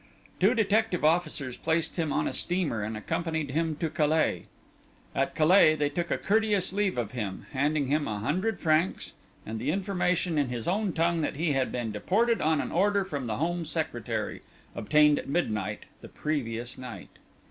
Two detective officers placed him on a steamer and accompanied him to Calais. At Calais they took a courteous leave of him, handing him a hundred francs and the information in his own tongue that he had been deported on an order from the Home Secretary, obtained at midnight the previous night.